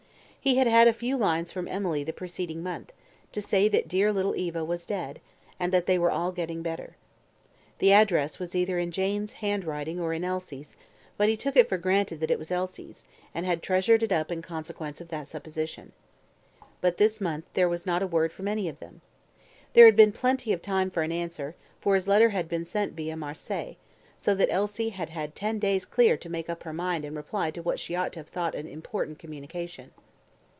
He had had a few lines from Emily the preceding month, to say that dear little Eva was dead, and that they were all getting better. The address was either in Jane's hand writing or in Elsie's, but he took if for granted that it was Elsie's, and had treasured it up in consequence of that supposition. But this month there was not a word from any of them. There had been plenty of time for an answer, for his letter had been sent via Marseilles, so that Elsie had had ten days clear to make up her mind and reply to what she ought to have thought an important communication.